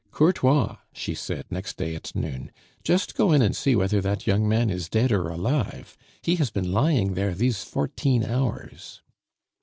"Courtois," she said, next day at noon, "just go in and see whether that young man is dead or alive; he has been lying there these fourteen hours."